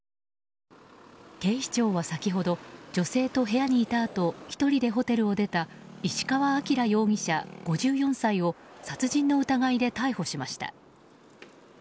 警視庁は先ほど女性と部屋にいたあと１人でホテルを出た石川晃容疑者、５４歳を殺人の疑いで逮捕しました。